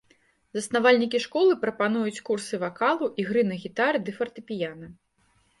Заснавальнікі школы прапануюць курсы вакалу, ігры на гітары ды фартэпіяна.